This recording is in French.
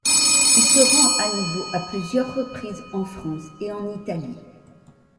Il se rend à nouveau, à plusieurs reprises, en France et en Italie.